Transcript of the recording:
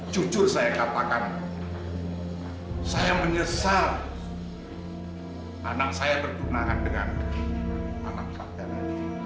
jujur saya katakan saya menyesal anak saya bergunaan dengan anak kapten